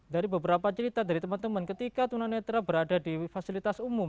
dari beberapa cerita dari teman teman ketika tunanetra berada di fasilitas umum